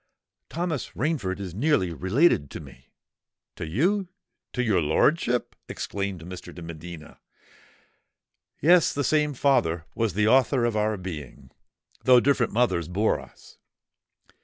Thomas Rainford is nearly related to me——" "To you—to your lordship!" exclaimed Mr. de Medina. "Yes: the same father was the author of our being—though different mothers bore us.